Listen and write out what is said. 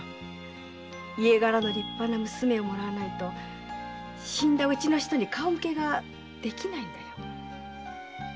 家柄の立派な娘をもらわないと死んだうちの人に顔向けができないんだよ。